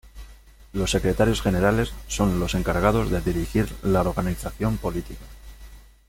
Los secretarios generales son los encargados de dirigir la organización política.